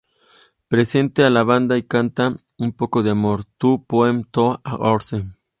Presenta a la banda y canta "Un poco de amor", "Tú","Poem To A Horse".